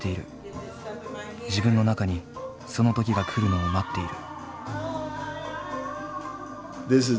自分の中にその時が来るのを待っている。